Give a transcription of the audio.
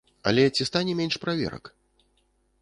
Але ці стане менш праверак?